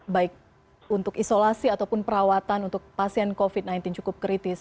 baik untuk isolasi ataupun perawatan untuk pasien covid sembilan belas cukup kritis